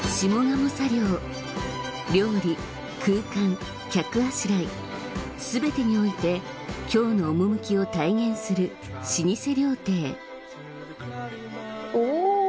料理空間客あしらい全てにおいて京の趣を体現する老舗料亭お！